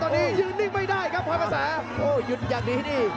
โอ้ยืนนิ่งไม่ได้โอ้ยอยุ่นอย่างนี้นี่